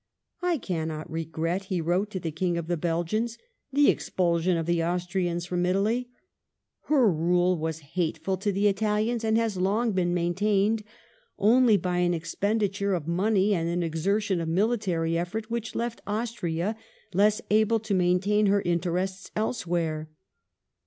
" I cannot regret,'* he wrote to the King of the Belgians, " the expulsion of the Austrians from Italy. ... Her rule was hateful to the Italians and has long been maintained only by an expenditure of money and an exertion of military effort which left Austria less able to maintain her interests elsewhere.